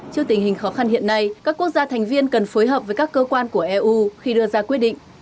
trước tình hình khó khăn hiện nay các quốc gia thành viên cần phối hợp với các cơ quan của eu khi đưa ra quyết định